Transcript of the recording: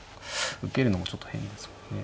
受けるのもちょっと変ですもんね。